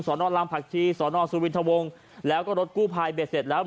นอนลำผักชีสอนอสุวินทวงแล้วก็รถกู้ภัยเบ็ดเสร็จแล้ว